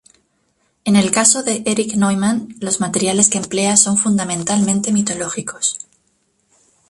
En el caso de Erich Neumann, los materiales que emplea son fundamentalmente mitológicos.